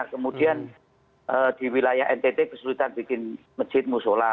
kemudian di wilayah ntt kesulitan bikin masjid musola